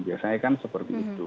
biasanya kan seperti itu